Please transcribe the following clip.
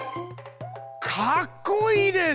かっこいいです！